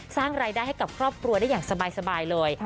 สร้างรายได้ให้กับครอบครัวได้อย่างสบายเลย